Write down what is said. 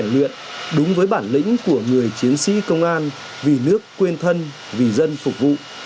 anh luôn tâm niệm đúng với bản lĩnh của người chiến sĩ công an vì nước quên thân vì dân phục vụ